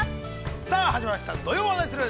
さあ始まりました、「土曜はナニする！？」。